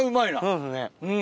そうですね。